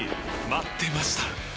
待ってました！